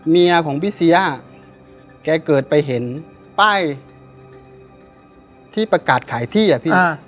เมียของพี่เสียแกเกิดไปเห็นป้ายที่ประกาศขายที่อะพี่